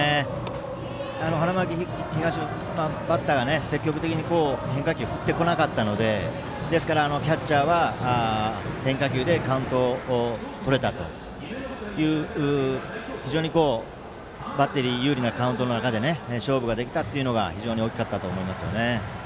花巻東、バッターが積極的に変化球振ってこなかったのでですからキャッチャーは変化球でカウントをとれたという非常にバッテリー有利なカウントの中で勝負ができたというのが大きかったと思いますよね。